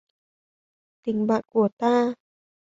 Tình bạn của ta